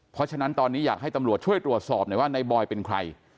เพราะฉะนั้นตอนนี้อยากให้ตำรวจช่วยตรวจสอบหน่อยว่าในบอยเป็นใคร